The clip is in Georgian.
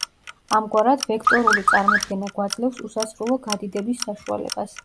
ამგვარად, ვექტორული წარმოდგენა გვაძლევს უსასრულო გადიდების საშუალებას.